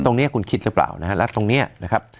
ตรงนี้คุณคิดหรือเปล่านะฮะแล้วตรงนี้นะครับ